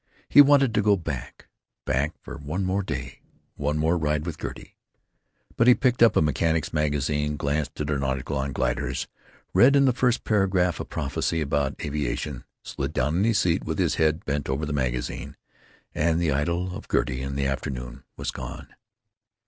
He wanted to go back—back for one more day, one more ride with Gertie. But he picked up a mechanics magazine, glanced at an article on gliders, read in the first paragraph a prophecy about aviation, slid down in his seat with his head bent over the magazine—and the idyl of Gertie and afternoon was gone.